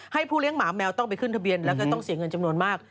ให้ผู้เลี้ยงหมาแมวต้องไปขึ้นทะเบียนแล้วก็ต้องเสียเงินจำนวนมาก